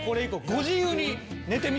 ご自由に？